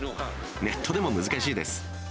ネットでも難しいです。